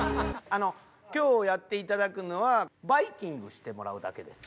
今日やって頂くのはバイキングしてもらうだけです。